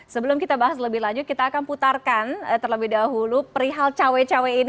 sebelum kita bahas lebih lanjut kita akan putarkan terlebih dahulu perihal cawe cawe ini